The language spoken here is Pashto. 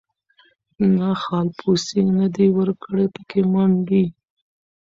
نه خالپوڅي نه دي وکړې پکښی منډي